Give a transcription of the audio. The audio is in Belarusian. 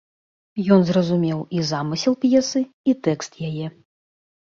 Ён зразумеў і замысел п'есы, і тэкст яе.